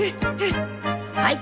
はい。